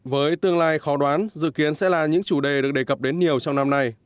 với tương lai khó đoán dự kiến sẽ là những chủ đề được đề cập đến nhiều trong năm nay